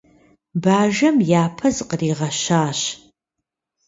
Бажэм япэ зыкъригъэщащ.